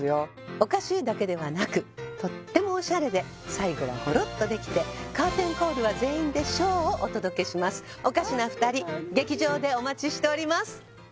おかしいだけではなくとってもオシャレで最後はホロッとできてカーテンコールは全員でショーをお届けします「おかしな二人」劇場でお待ちしております